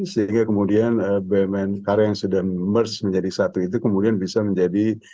sehingga kemudian bumn karya yang sudah merge menjadi satu itu kemudian bisa menjadi